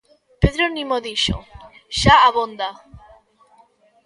Pedro Nimo dixo "xa abonda".